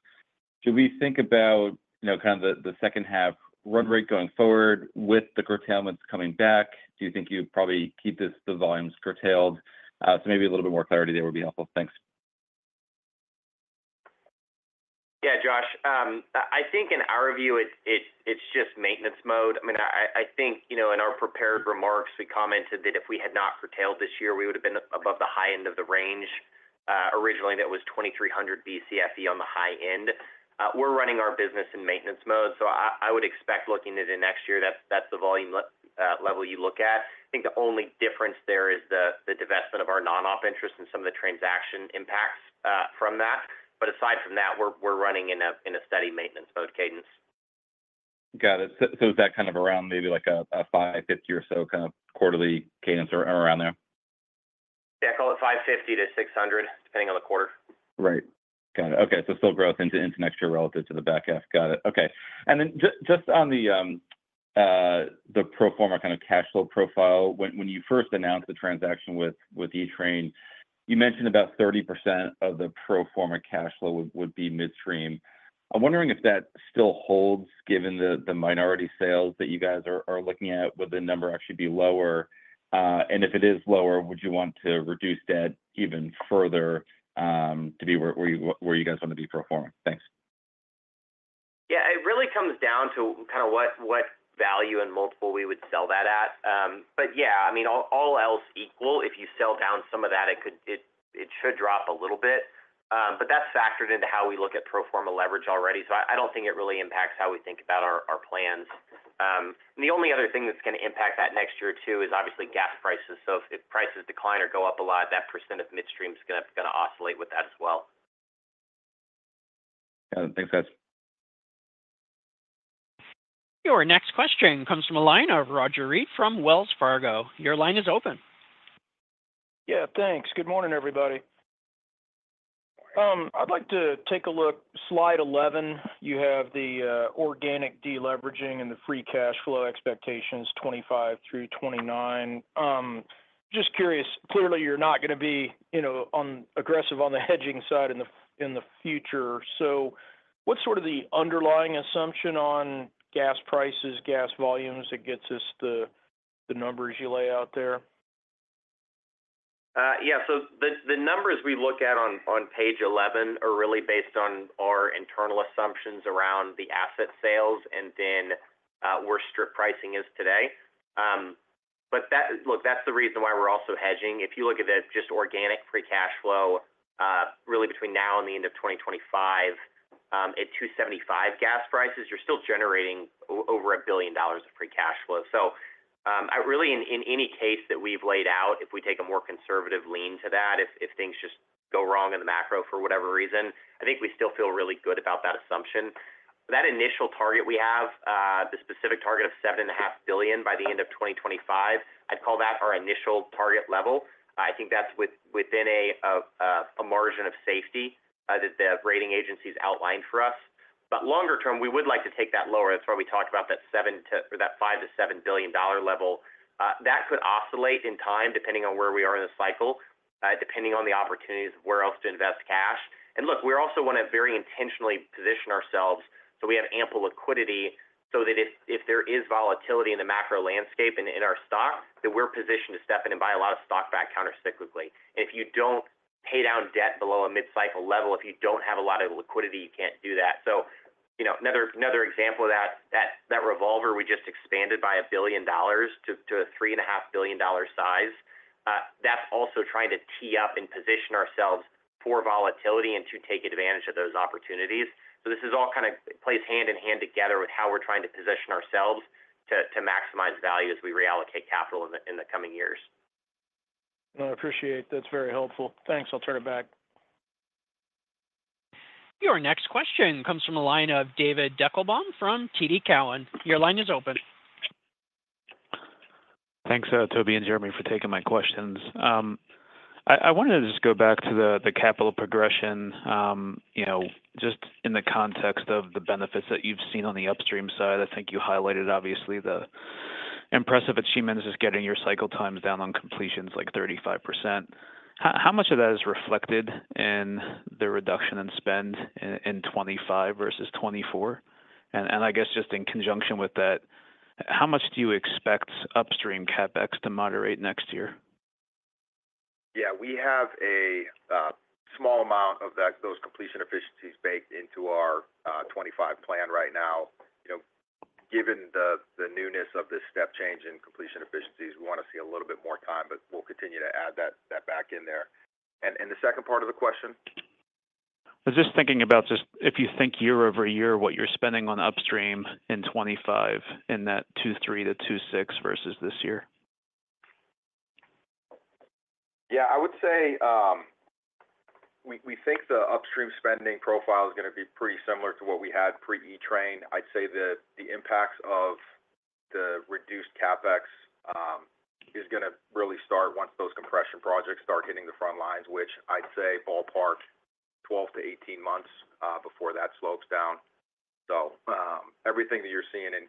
Do we think about, you know, kind of the second half run rate going forward with the curtailments coming back? Do you think you'd probably keep the volumes curtailed? So maybe a little bit more clarity there would be helpful. Thanks. Yeah, Josh. I think in our view, it's just maintenance mode. I mean, I think, you know, in our prepared remarks, we commented that if we had not curtailed this year, we would have been above the high end of the range. Originally, that was 2,300 BCFE on the high end. We're running our business in maintenance mode, so I would expect looking into next year, that's the volume level you look at. I think the only difference there is the divestment of our non-op interest and some of the transaction impacts from that. But aside from that, we're running in a steady maintenance mode cadence.... Got it. So is that kind of around maybe like a $5.50 or so kind of quarterly cadence or around there? Yeah, call it $550-$600, depending on the quarter. Right. Got it. Okay, so still growth into next year relative to the back half. Got it. Okay. And then just on the pro forma kind of cash flow profile, when you first announced the transaction with E-Train, you mentioned about 30% of the pro forma cash flow would be midstream. I'm wondering if that still holds, given the minority sales that you guys are looking at, would the number actually be lower? And if it is lower, would you want to reduce debt even further to be where you guys want to be pro forma? Thanks. Yeah, it really comes down to kind of what value and multiple we would sell that at. But yeah, I mean, all else equal, if you sell down some of that, it could-- it should drop a little bit. But that's factored into how we look at pro forma leverage already. So I don't think it really impacts how we think about our plans. And the only other thing that's gonna impact that next year, too, is obviously gas prices. So if prices decline or go up a lot, that percent of midstream is gonna oscillate with that as well. Yeah. Thanks, guys. Your next question comes from the line of Roger Read from Wells Fargo. Your line is open. Yeah, thanks. Good morning, everybody. I'd like to take a look, slide 11, you have the organic deleveraging and the free cash flow expectations, 25 through 29. Just curious, clearly, you're not gonna be, you know, aggressive on the hedging side in the future. So what's sort of the underlying assumption on gas prices, gas volumes, that gets us the numbers you lay out there? Yeah. So the numbers we look at on page 11 are really based on our internal assumptions around the asset sales and then where strip pricing is today. But that. Look, that's the reason why we're also hedging. If you look at it, just organic free cash flow really between now and the end of 2025 at $2.75 gas prices, you're still generating over $1 billion of free cash flow. So I really in any case that we've laid out, if we take a more conservative lean to that, if things just go wrong in the macro for whatever reason, I think we still feel really good about that assumption. That initial target we have, the specific target of $7.5 billion by the end of 2025, I'd call that our initial target level. I think that's within a margin of safety that the rating agencies outlined for us. But longer term, we would like to take that lower. That's why we talked about that seven or that $5-$7 billion level. That could oscillate in time, depending on where we are in the cycle, depending on the opportunities, where else to invest cash. And look, we also want to very intentionally position ourselves so we have ample liquidity, so that if there is volatility in the macro landscape and in our stock, that we're positioned to step in and buy a lot of stock back countercyclically. If you don't pay down debt below a mid-cycle level, if you don't have a lot of liquidity, you can't do that. So, you know, another example of that, that revolver, we just expanded by $1 billion to a $3.5 billion size. That's also trying to tee up and position ourselves for volatility and to take advantage of those opportunities. So this is all kind of plays hand in hand together with how we're trying to position ourselves to maximize value as we reallocate capital in the coming years. I appreciate. That's very helpful. Thanks. I'll turn it back. Your next question comes from the line of David Deckelbaum from TD Cowen. Your line is open. Thanks, Toby and Jeremy, for taking my questions. I wanted to just go back to the capital progression, you know, just in the context of the benefits that you've seen on the upstream side. I think you highlighted, obviously, the impressive achievements is getting your cycle times down on completions, like 35%. How much of that is reflected in the reduction in spend in 2025 versus 2024? And I guess just in conjunction with that, how much do you expect upstream CapEx to moderate next year? Yeah, we have a small amount of that, those completion efficiencies baked into our 25 plan right now. You know, given the newness of this step change in completion efficiencies, we want to see a little bit more time, but we'll continue to add that back in there. And the second part of the question? I was just thinking about just if you think year-over-year, what you're spending on upstream in 2025, in that $2.3-$2.6 versus this year? Yeah, I would say, we think the upstream spending profile is gonna be pretty similar to what we had pre E-Train. I'd say that the impacts of the reduced CapEx is gonna really start once those compression projects start hitting the front lines, which I'd say ballpark 12-18 months before that slopes down. So, everything that you're seeing in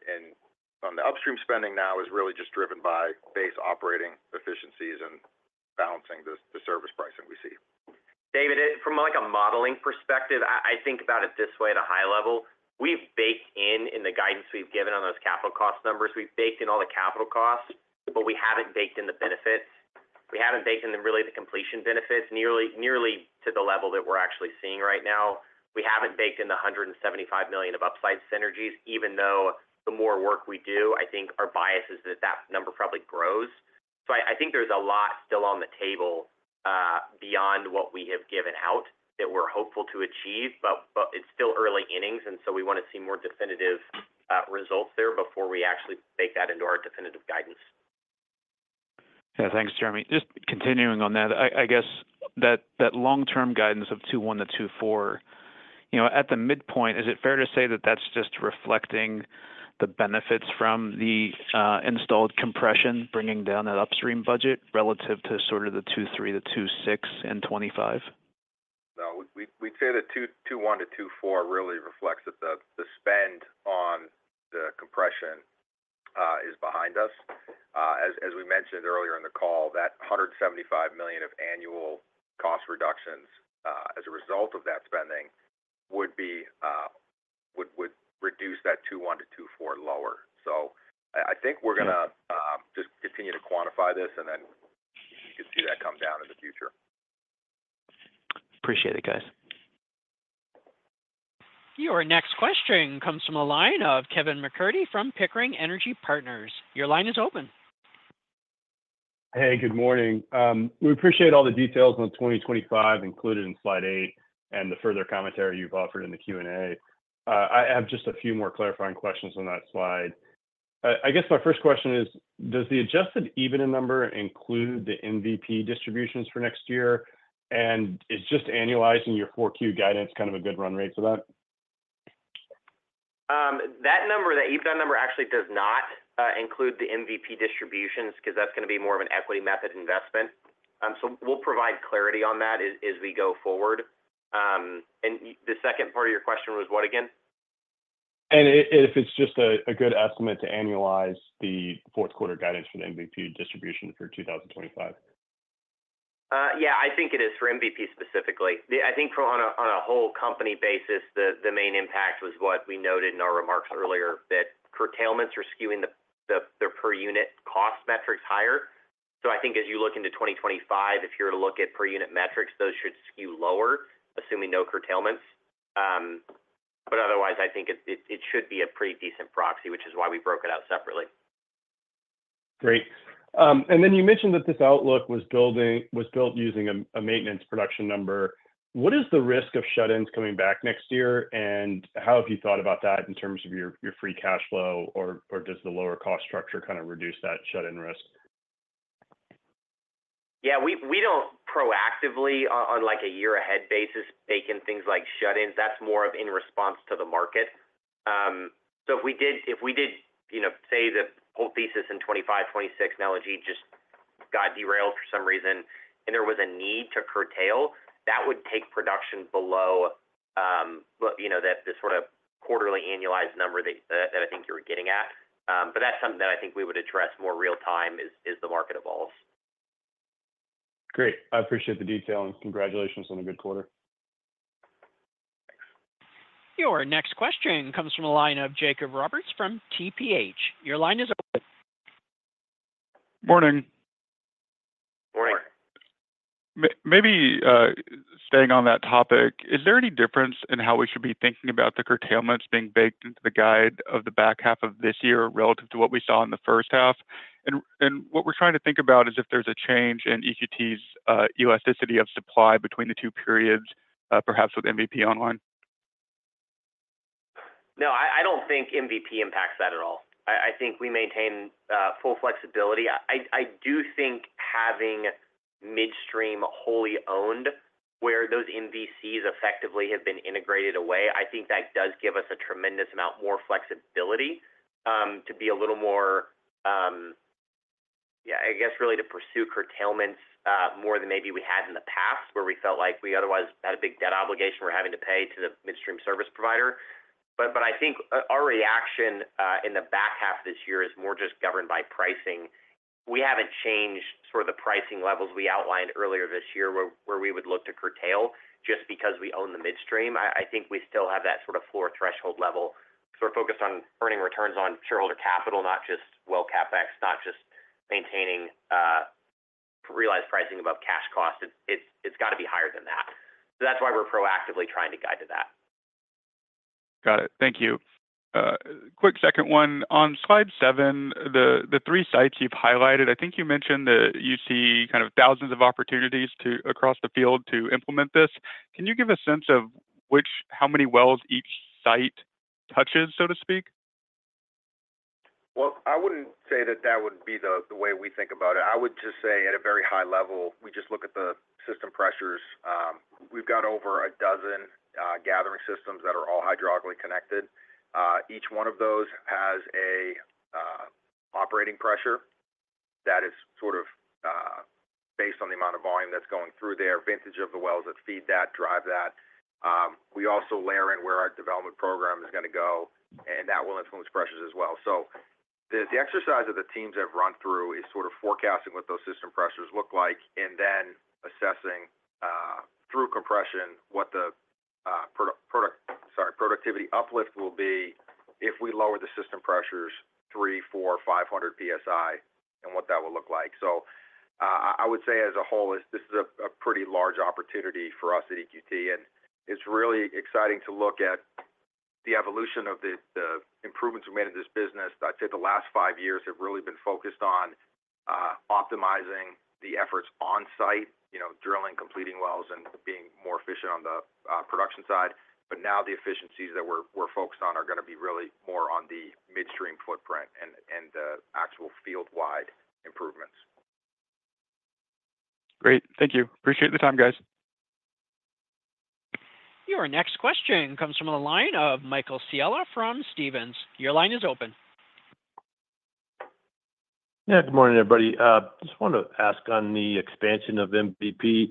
on the upstream spending now is really just driven by base operating efficiencies and balancing the service pricing we see. David, it from, like, a modeling perspective, I think about it this way at a high level: we've baked in, in the guidance we've given on those capital cost numbers, we've baked in all the capital costs, but we haven't baked in the benefits. We haven't baked in the, really, the completion benefits, nearly to the level that we're actually seeing right now. We haven't baked in the $175 million of upside synergies, even though the more work we do, I think our bias is that that number probably grows. So I think there's a lot still on the table, beyond what we have given out, that we're hopeful to achieve, but it's still early innings, and so we want to see more definitive results there before we actually bake that into our definitive guidance.... Yeah, thanks, Jeremy. Just continuing on that, I guess that long-term guidance of 2.1-2.4, you know, at the midpoint, is it fair to say that that's just reflecting the benefits from the installed compression, bringing down that upstream budget relative to sort of the 2.3-2.6 and 25? No, we'd say the 2021-2024 really reflects that the spend on the compression is behind us. As we mentioned earlier in the call, that $175 million of annual cost reductions as a result of that spending would reduce that 2021-2024 lower. So I think we're gonna just continue to quantify this, and then you can see that come down in the future. Appreciate it, guys. Your next question comes from the line of Kevin McCurdy from Pickering Energy Partners. Your line is open. Hey, good morning. We appreciate all the details on the 2025 included in slide 8 and the further commentary you've offered in the Q&A. I have just a few more clarifying questions on that slide. I, I guess my first question is, does the Adjusted EBITDA number include the MVP distributions for next year? And is just annualizing your 4Q guidance kind of a good run rate for that? That number, that EBITDA number actually does not include the MVP distributions, because that's going to be more of an equity method investment. So we'll provide clarity on that as we go forward. And the second part of your question was what again? And if it's just a good estimate to annualize the fourth quarter guidance for the MVP distribution for 2025? Yeah, I think it is for MVP specifically. I think on a whole company basis, the main impact was what we noted in our remarks earlier, that curtailments are skewing the per unit cost metrics higher. So I think as you look into 2025, if you were to look at per unit metrics, those should skew lower, assuming no curtailments. But otherwise, I think it should be a pretty decent proxy, which is why we broke it out separately. Great. And then you mentioned that this outlook was built using a maintenance production number. What is the risk of shut-ins coming back next year, and how have you thought about that in terms of your free cash flow, or does the lower cost structure kind of reduce that shut-in risk? Yeah, we don't proactively, like a year-ahead basis, bake in things like shut-ins. That's more of in response to the market. So if we did, you know, say, the whole thesis in 2025, 2026, new LNG just got derailed for some reason and there was a need to curtail, that would take production below, you know, the sort of quarterly annualized number that I think you were getting at. But that's something that I think we would address more real-time as the market evolves. Great. I appreciate the detail, and congratulations on a good quarter. Your next question comes from the line of Jacob Roberts from TPH. Your line is open. Morning. Morning. Maybe staying on that topic, is there any difference in how we should be thinking about the curtailments being baked into the guide of the back half of this year relative to what we saw in the first half? And what we're trying to think about is if there's a change in EQT's elasticity of supply between the two periods, perhaps with MVP online. No, I don't think MVP impacts that at all. I think we maintain full flexibility. I do think having midstream wholly owned, where those NVCs effectively have been integrated away, I think that does give us a tremendous amount more flexibility, to be a little more, yeah, I guess, really to pursue curtailments, more than maybe we had in the past, where we felt like we otherwise had a big debt obligation we're having to pay to the midstream service provider. But I think our reaction in the back half of this year is more just governed by pricing. We haven't changed sort of the pricing levels we outlined earlier this year, where we would look to curtail just because we own the midstream. I think we still have that sort of floor threshold level. So we're focused on earning returns on shareholder capital, not just well CapEx, not just maintaining realized pricing above cash cost. It's, it's got to be higher than that. So that's why we're proactively trying to guide to that. Got it. Thank you. Quick second one. On slide 7, the 3 sites you've highlighted, I think you mentioned that you see kind of thousands of opportunities to across the field to implement this. Can you give a sense of how many wells each site touches, so to speak? Well, I wouldn't say that that would be the, the way we think about it. I would just say at a very high level, we just look at the system pressures. We've got over a dozen gathering systems that are all hydraulically connected. Each one of those has a operating pressure that is sort of based on the amount of volume that's going through there, vintage of the wells that feed that, drive that. We also layer in where our development program is gonna go, and that will influence pressures as well. So the, the exercise that the teams have run through is sort of forecasting what those system pressures look like, and then assessing through compression, what the, sorry, productivity uplift will be if we lower the system pressures 300, 400, 500 PSI, and what that will look like. So, I would say as a whole, this is a pretty large opportunity for us at EQT, and it's really exciting to look at the evolution of the improvements we made in this business. I'd say the last five years have really been focused on optimizing the efforts on site, you know, drilling, completing wells, and being more efficient on the production side. But now the efficiencies that we're focused on are gonna be really more on the midstream footprint and the actual field-wide improvements. Great. Thank you. Appreciate the time, guys. Your next question comes from the line of Michael Scialla from Stephens. Your line is open. Yeah, good morning, everybody. Just wanted to ask on the expansion of MVP.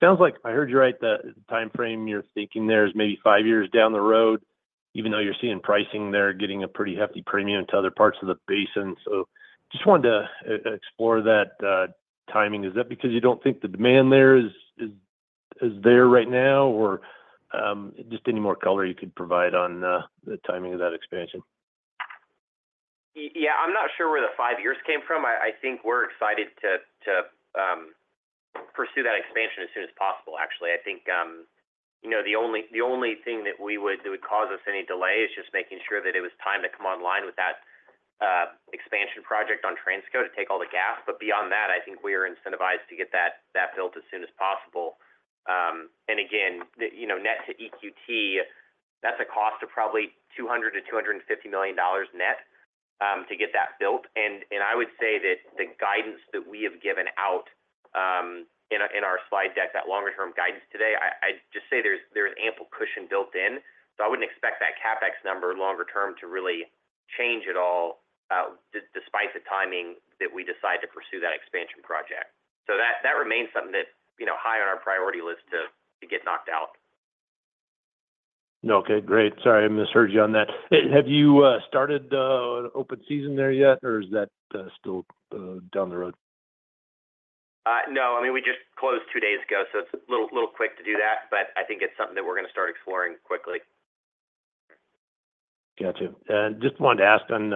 Sounds like I heard you right, the time frame you're thinking there is maybe five years down the road, even though you're seeing pricing there getting a pretty hefty premium to other parts of the basin. So just wanted to explore that timing. Is that because you don't think the demand there is there right now? Or, just any more color you could provide on the timing of that expansion? Yeah, I'm not sure where the 5 years came from. I think we're excited to pursue that expansion as soon as possible. Actually, I think you know, the only thing that would cause us any delay is just making sure that it was time to come online with that expansion project on Transco to take all the gas. But beyond that, I think we are incentivized to get that built as soon as possible. And again, you know, net to EQT, that's a cost of probably $200 million-$250 million net to get that built. I would say that the guidance that we have given out in our slide deck, that longer-term guidance today, I'd just say there's an ample cushion built in, so I wouldn't expect that CapEx number longer term to really change at all, despite the timing that we decide to pursue that expansion project. So that remains something that, you know, high on our priority list to get knocked out. Okay, great. Sorry, I misheard you on that. Have you started the open season there yet, or is that still down the road? No. I mean, we just closed two days ago, so it's a little, little quick to do that, but I think it's something that we're gonna start exploring quickly. Got you. Just wanted to ask on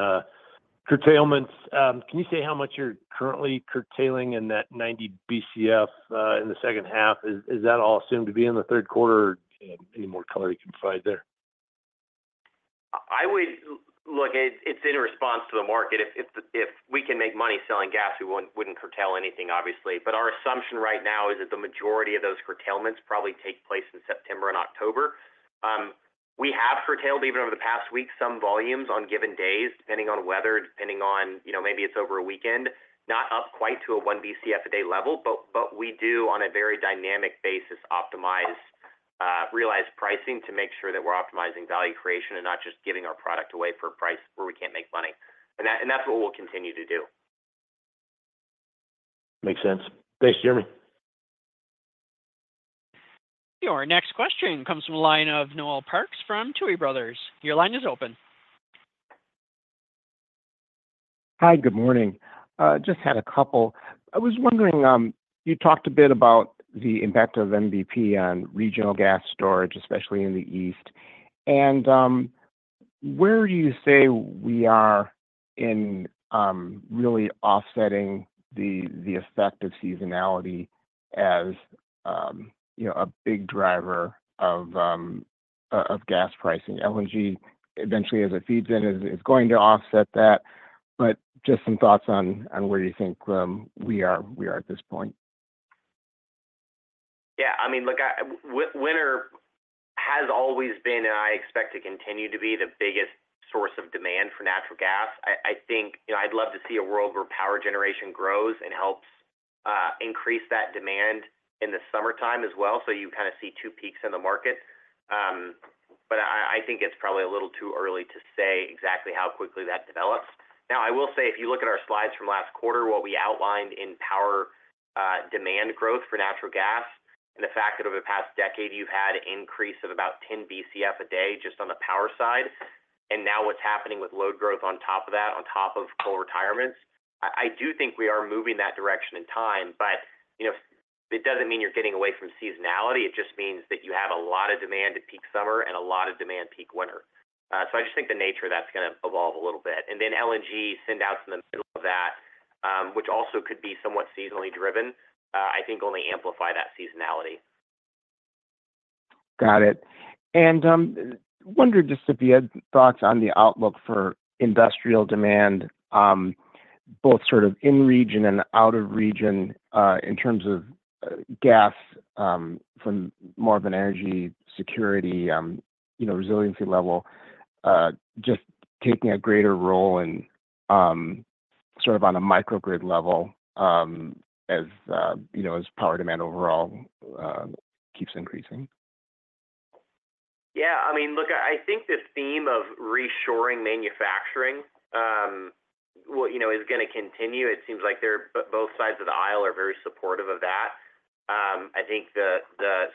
curtailments. Can you say how much you're currently curtailing in that 90 BCF in the second half? Is that all assumed to be in the third quarter? Any more color you can provide there? Look, it's in response to the market. If we can make money selling gas, we wouldn't curtail anything, obviously. But our assumption right now is that the majority of those curtailments probably take place in September and October. We have curtailed, even over the past week, some volumes on given days, depending on weather, depending on, you know, maybe it's over a weekend, not up quite to a 1 BCF a day level, but we do, on a very dynamic basis, optimize realized pricing to make sure that we're optimizing value creation and not just giving our product away for a price where we can't make money. And that's what we'll continue to do. Makes sense. Thanks, Jeremy. Your next question comes from the line of Noel Parks from Tuohy Brothers. Your line is open. Hi, good morning. Just had a couple. I was wondering, you talked a bit about the impact of MVP on regional gas storage, especially in the East. Where do you say we are in really offsetting the effect of seasonality as you know a big driver of gas pricing? LNG, eventually, as it feeds in, is going to offset that, but just some thoughts on where you think we are at this point. Yeah, I mean, look, winter has always been, and I expect to continue to be, the biggest source of demand for natural gas. I, I think, you know, I'd love to see a world where power generation grows and helps, increase that demand in the summertime as well, so you kinda see two peaks in the market. But I, I think it's probably a little too early to say exactly how quickly that develops. Now, I will say, if you look at our slides from last quarter, what we outlined in power, demand growth for natural gas, and the fact that over the past decade you've had an increase of about 10 BCF a day just on the power side, and now what's happening with load growth on top of that, on top of coal retirements, I do think we are moving that direction in time, but, you know, it doesn't mean you're getting away from seasonality. It just means that you have a lot of demand at peak summer and a lot of demand peak winter. So I just think the nature of that's gonna evolve a little bit. And then LNG sendouts in the middle of that, which also could be somewhat seasonally driven, I think only amplify that seasonality. Got it. And wondered just if you had thoughts on the outlook for industrial demand, both sort of in region and out of region, in terms of gas, from more of an energy security, you know, resiliency level, just taking a greater role in sort of on a microgrid level, as you know, as power demand overall keeps increasing? Yeah, I mean, look, I think the theme of reshoring manufacturing, well, you know, is gonna continue. It seems like they're both sides of the aisle are very supportive of that. I think the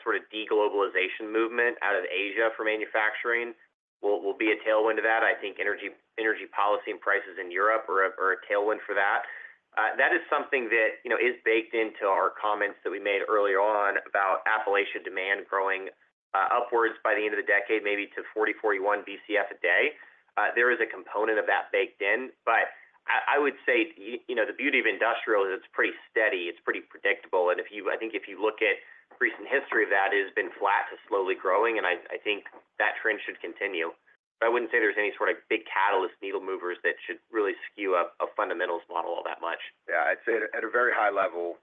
sort of de-globalization movement out of Asia for manufacturing will be a tailwind to that. I think energy policy and prices in Europe are a tailwind for that. That is something that, you know, is baked into our comments that we made earlier on about Appalachia demand growing upwards by the end of the decade, maybe to 40-41 BCF a day. There is a component of that baked in, but I would say, you know, the beauty of industrial is it's pretty steady, it's pretty predictable. If you, I think if you look at recent history of that, it has been flat to slowly growing, and I, I think that trend should continue. But I wouldn't say there's any sort of big catalyst needle movers that should really skew up a fundamentals model all that much. Yeah, I'd say at a very high level,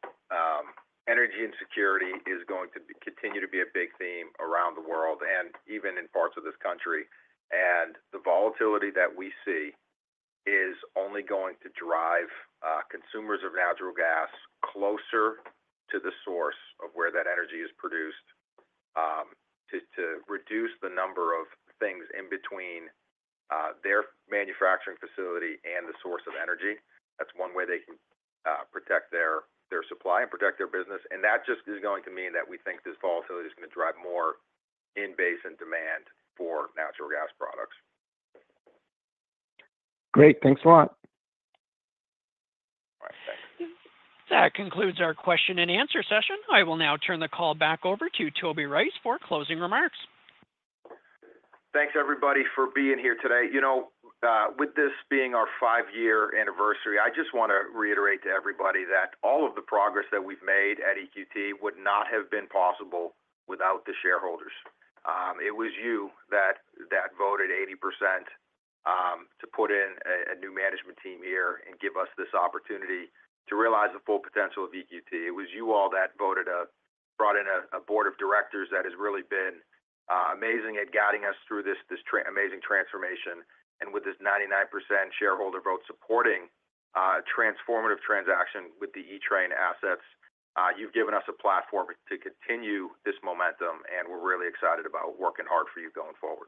energy insecurity is going to continue to be a big theme around the world and even in parts of this country. And the volatility that we see is only going to drive consumers of natural gas closer to the source of where that energy is produced, to reduce the number of things in between their manufacturing facility and the source of energy. That's one way they can protect their supply and protect their business. And that just is going to mean that we think this volatility is gonna drive more in base and demand for natural gas products. Great. Thanks a lot. All right. Thanks. That concludes our question and answer session. I will now turn the call back over to Toby Rice for closing remarks. Thanks, everybody, for being here today. You know, with this being our five-year anniversary, I just want to reiterate to everybody that all of the progress that we've made at EQT would not have been possible without the shareholders. It was you that voted 80% to put in a new management team here and give us this opportunity to realize the full potential of EQT. It was you all that voted, brought in a board of directors that has really been amazing at guiding us through this amazing transformation. And with this 99% shareholder vote supporting, transformative transaction with the E-Train assets, you've given us a platform to continue this momentum, and we're really excited about working hard for you going forward.